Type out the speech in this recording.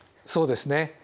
そうですね。